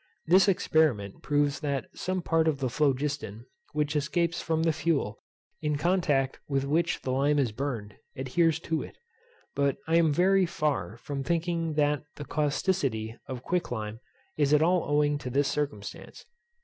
This experiment proves that some part of the phlogiston which escapes from the fuel, in contact with which the lime is burned, adheres to it. But I am very far from thinking that the causticity of quick lime is at all owing to this circumstance.